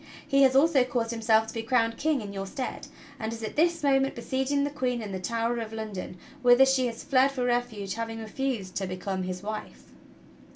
He has also caused himself to be crowned King in your stead, and is at this moment besieging the Queen in the Tower of London, whither she has fled for refuge, having refused to become his wife."